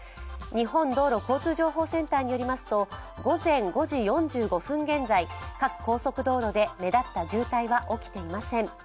日本道路交通情報センターによりますと、午前５時４５分現在、各高速道路で目立った渋滞は起きていません。